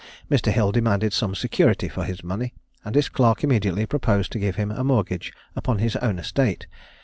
Mr. Hill demanded some security for his money, and his clerk immediately proposed to give him a mortgage upon his own estate.